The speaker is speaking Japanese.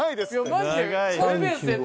マジで。